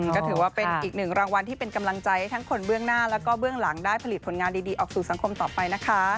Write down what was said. ก็ถือว่าเป็นอีกหนึ่งรางวัลที่เป็นกำลังใจให้ทั้งคนเบื้องหน้าแล้วก็เบื้องหลังได้ผลิตผลงานดีออกสู่สังคมต่อไปนะคะ